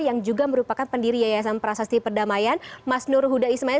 yang juga merupakan pendiri yayasan prasasti perdamaian mas nur huda ismail